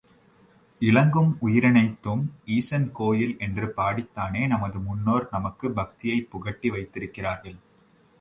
இலங்கும் உயிரனைத்தும் ஈசன் கோயில் என்று பாடித்தானே நமது முன்னோர் நமக்குப் பக்தியைப் புகட்டி வைத்திருக்கிறார்கள்.